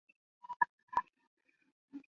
本名次郎吉。